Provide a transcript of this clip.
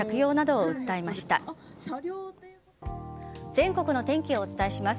全国の天気をお伝えします。